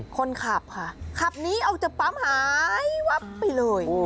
คนขับค่ะขับหนีออกจากปั๊มหายวับไปเลย